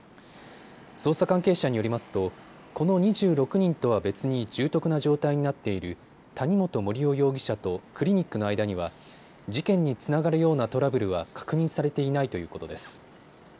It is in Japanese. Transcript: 捜査関係者によりますとこの２６人とは別に重篤な状態になっている谷本盛雄容疑者とクリニックの間には事件につながるようなトラブルは確認されていないということです。